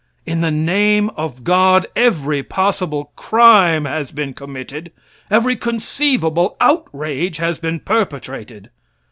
In the name of God every possible crime has been committed, every conceivable outrage has been perpetrated.